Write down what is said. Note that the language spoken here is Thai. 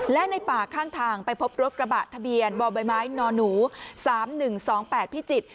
และในป่าข้างทางไปพบรถกระบะทะเบียนบ่อใบไม้นหนู๓๑๒๘พิจิตร